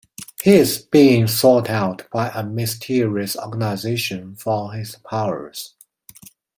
He is being sought out by a mysterious organization for his powers.